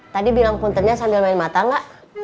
tadi bilang puntennya sambil main mata nggak